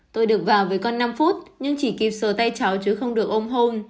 tôi được vào với con năm phút nhưng chỉ kịp sờ tay cháu chứ không được ôm hôn